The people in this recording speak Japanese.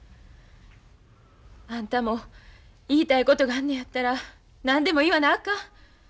あんたも言いたいことがあんのやったら何でも言わなあかん。